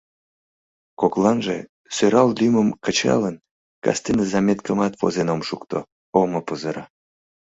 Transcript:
— Кокланже, сӧрал лӱмым кычалын, кастене заметкымат возен ом шукто — омо пызыра...